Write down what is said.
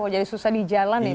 jadi susah di jalan ya